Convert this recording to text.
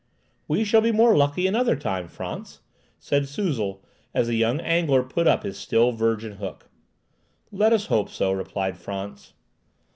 "We shall be more lucky another time, Frantz," said Suzel, as the young angler put up his still virgin hook. "Let us hope so," replied Frantz.